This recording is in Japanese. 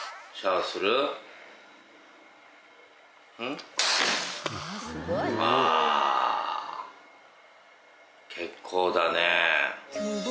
あ結構だね。